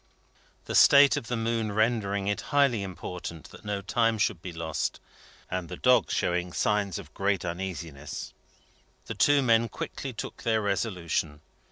The state of the moon rendering it highly important that no time should be lost, and the dogs showing signs of great uneasiness, the two men quickly took their resolution.